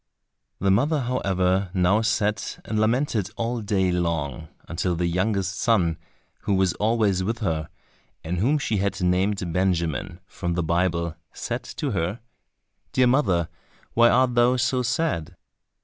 The mother, however, now sat and lamented all day long, until the youngest son, who was always with her, and whom she had named Benjamin, from the Bible, said to her, "Dear mother, why art thou so sad?"